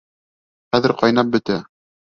Хәҙер ҡайнап бөтә!